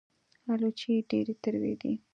الوچې ډېرې تروې دي